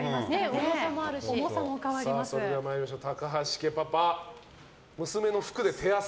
それでは参りましょう。